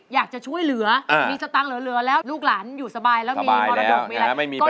อยากจะช่วยเหลือมีสตังค์เหลือแล้วลูกหลานอยู่สบายแล้วมีมรดกมีอะไร